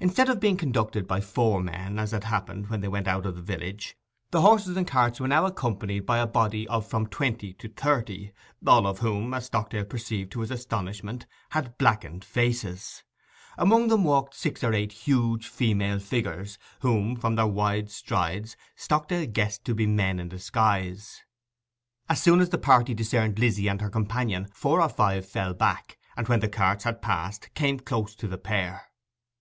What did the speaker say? Instead of being conducted by four men, as had happened when they went out of the village, the horses and carts were now accompanied by a body of from twenty to thirty, all of whom, as Stockdale perceived to his astonishment, had blackened faces. Among them walked six or eight huge female figures, whom, from their wide strides, Stockdale guessed to be men in disguise. As soon as the party discerned Lizzy and her companion four or five fell back, and when the carts had passed, came close to the pair.